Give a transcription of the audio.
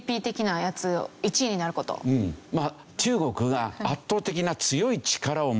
中国が圧倒的な強い力を持つ。